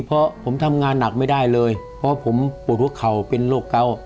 เพราะผมทำงานหนักไม่ได้เลยเพราะผมปวดหัวเข่าเป็นโรคเกา